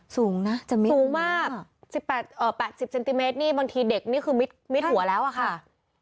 สูงนะสูงมาก๘๐เซนติเมตรนี่บางทีเด็กนี่คือมิดหัวแล้วอะค่ะ